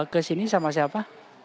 kesini sama siapa